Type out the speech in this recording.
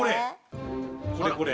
これこれ。